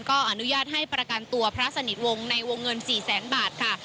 ก็อนุญาตให้ประกันตัวพระสนิทวงศ์ในวงเงิน๔แสนบาทค่ะ